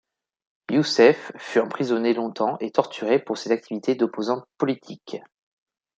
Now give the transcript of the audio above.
Youssef fut emprisonné longtemps et torturé pour ses activités d'opposant politique.